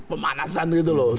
pemanasan gitu loh